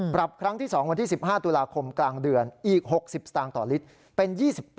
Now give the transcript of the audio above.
ครั้งที่๒วันที่๑๕ตุลาคมกลางเดือนอีก๖๐สตางค์ต่อลิตรเป็น๒๘